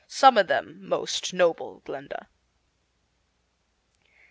"Summon them, most noble Glinda."